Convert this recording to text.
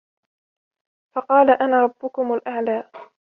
فَقَالَ أَنَا رَبُّكُمُ الْأَعْلَى